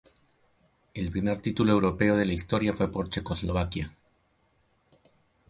El primer título europeo de la historia fue por Checoslovaquia.